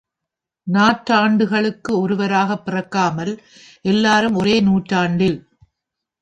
நாற்றாண்டுக்கு ஒருவராக் பிறக்காமல், எல்லாரும் ஒரே நூற்றாண்டில்.